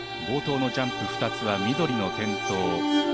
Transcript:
冒頭のジャンプ２つは緑の点灯。